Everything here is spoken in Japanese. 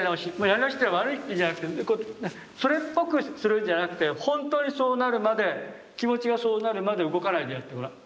やり直しっていうのは悪いっていうんじゃなくてそれっぽくするんじゃなくて本当にそうなるまで気持ちがそうなるまで動かないでやってごらん。